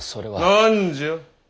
何じゃ。